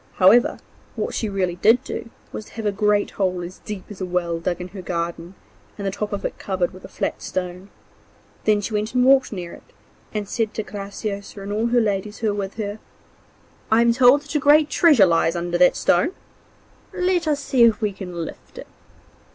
However, what she really did do was to have a great hole as deep as a well dug in her garden, and the top of it covered with a flat stone. Then she went and walked near it, and said to Graciosa and all her ladies who were with her: 'I am told that a great treasure lies under that stone; let us see if we can lift it.